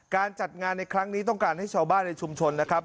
การจัดงานในครั้งนี้ต้องการให้ชาวบ้านในชุมชนนะครับ